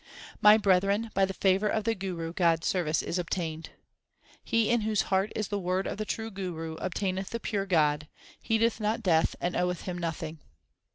My brethren, by the favour of the Guru God s service is obtained. He in whose heart is the Word of the true Guru, ob taineth the Pure God, heedeth not Death and oweth him nothing.